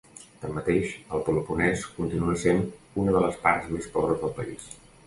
Tanmateix, el Peloponès continua sent una de les parts més pobres del país.